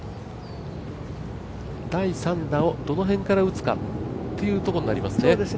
第３打をどの辺から打つかというところになりますね。